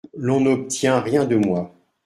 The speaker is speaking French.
L’on n’obtient rien de moi.